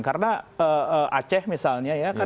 karena aceh misalnya